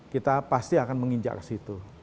kita pasti akan menginjak ke situ